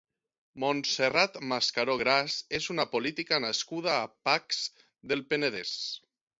Montserrat Mascaró Gras és una política nascuda a Pacs del Penedès.